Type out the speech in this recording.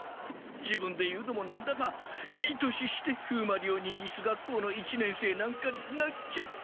自分で言うのもなんだがいい年して風魔流忍術学校の一年生なんかになっちゃって。